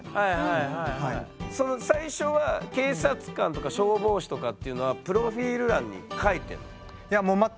最初は警察官とか消防士とかっていうのはプロフィール欄に書いてるの？